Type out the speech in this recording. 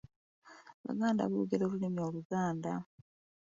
Abaganda boogera olulimi Oluganda.